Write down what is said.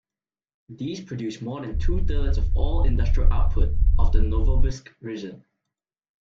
These produce more than two-thirds of all industrial output of the Novosibirsk region.